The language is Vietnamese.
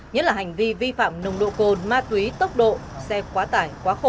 nhất là hành vi vi phạm nồng độ cồn ma túy tốc độ xe quá tải quá khổ